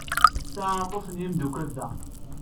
Tesɛa aṭas n yimeddukal da.